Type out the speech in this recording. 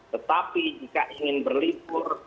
tetapi jika ingin berlibur